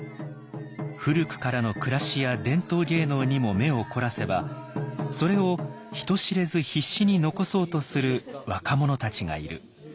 古くからの暮らしや伝統芸能にも目を凝らせばそれを人知れず必死に残そうとする若者たちがいる。